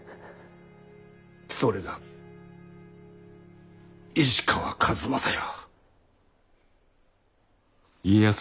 それが石川数正よ。